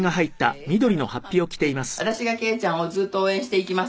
「私が惠ちゃんをずっと応援していきます」